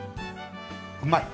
うまい！